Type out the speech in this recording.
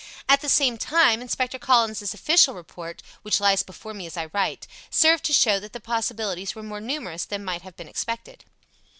At the same time, Inspector Collins's official report (which lies before me as I write) served to show that the possibilities were more numerous than might have been expected.